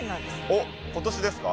おっ今年ですか！